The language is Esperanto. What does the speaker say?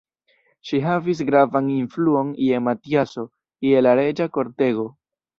Ŝi havis gravan influon je Matiaso, je la reĝa kortego.